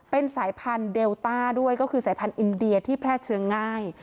เป็นสายพันธุ์เดลต้าด้วยก็คือสายพันธุ์อินเดียที่แพร่เชื้อง่าย